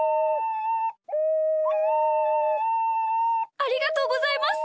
ありがとうございます！